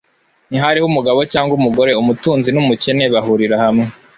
ntihariho umugabo cyangwa umugore.» «Umutunzi n'umukene bahurira hamwe,